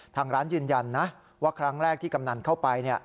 ทางร้านยืนยันนะว่าครั้งแรกที่กำนันเข้าไป